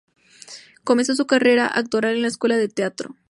Comenzó su carrera actoral en la escuela de teatro.